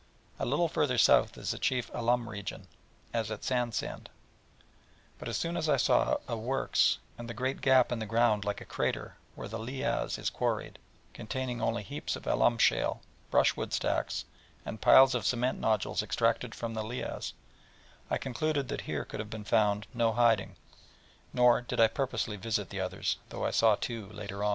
A little further south is the chief alum region, as at Sandsend, but as soon as I saw a works, and the great gap in the ground like a crater, where the lias is quarried, containing only heaps of alum shale, brushwood stacks, and piles of cement nodules extracted from the lias, I concluded that here could have been found no hiding; nor did I purposely visit the others, though I saw two later.